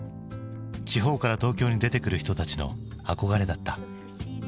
地方から東京に出てくる人たちの憧れだった。